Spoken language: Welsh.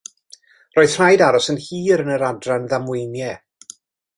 Roedd rhaid aros yn hir yn yr Adran Ddamweiniau.